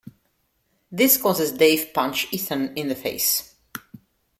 This causes Dave punch Ethan in the face.